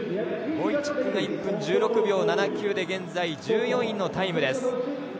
ボイチックは１分１６秒７９で現在、１４位のタイムです。